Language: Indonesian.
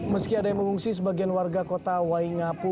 meski ada yang mengungsi sebagian warga kota waingapu